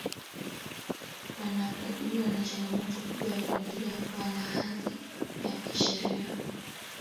wanakabiliwa na changamoto kubwa ya kuendelea kuwa na hadhi ya kisheria